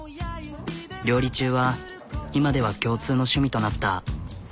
料理中は今では共通の趣味となった。